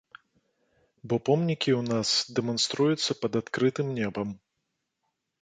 Бо помнікі ў нас дэманструюцца пад адкрытым небам.